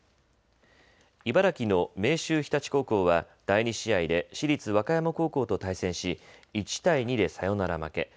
茨城の明秀日立高校は第２試合で市立和歌山高校と対戦し１対２でサヨナラ負け。